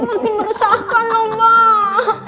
mungkin meresahkan lo mbak